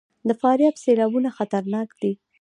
د فاریاب سیلابونه خطرناک دي